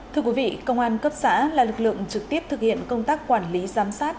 thưa quý vị công an cấp xã là lực lượng trực tiếp thực hiện công tác quản lý giám sát